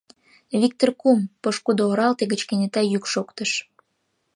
— Виктыр кум! — пошкудо оралте гыч кенета йӱк шоктыш.